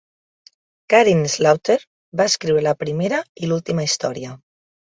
Karin Slaughter va escriure la primera i l'última història.